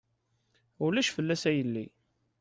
Ulac fell-as a yelli.